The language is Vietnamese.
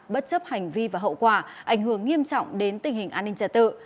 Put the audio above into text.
bất chấp hành vi và hậu quả ảnh hưởng nghiêm trọng đến tình hình an ninh trật tự